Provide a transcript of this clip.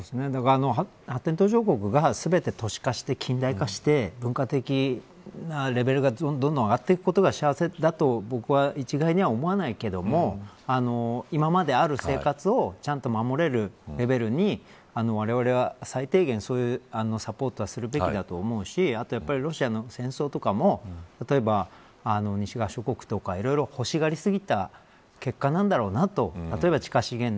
発展途上国が全て都市化して、近代化して文化的なレベルがどんどん上がっていくことが幸せだと僕は一概には思わないけれども今まである生活をちゃんと守れるレベルにわれわれは最低限そういうサポートをするべきだと思うしあとロシアの戦争とかも例えば西側諸国とかいろいろほしがりすぎた結果なんだろうなと。